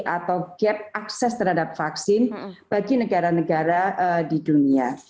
atau gap akses terhadap vaksin bagi negara negara di dunia